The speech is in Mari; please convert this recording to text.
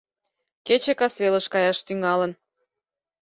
Кече касвелыш каяш тӱҥалын.